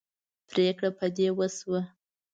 پرېکړه په دې وشوه.